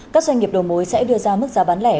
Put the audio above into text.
các doanh nghiệp đầu mối sẽ đưa ra mức giá bán lẻ